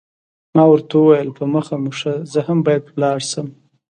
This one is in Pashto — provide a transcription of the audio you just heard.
ما ورته وویل، په مخه مو ښه، زه هم باید ولاړ شم.